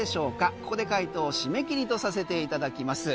ここで回答締め切りとさせていただきます。